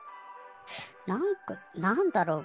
なんかなんだろう？